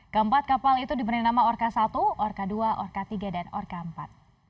keempat kapal itu diberi nama orka satu orka dua orka tiga dan orka empat